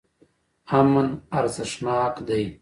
امن ارزښتناک دی.